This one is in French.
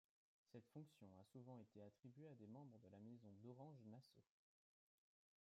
Cette fonction a souvent été attribuée à des membres de la maison d'Orange-Nassau.